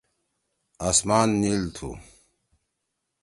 آسمان نیِل تُھو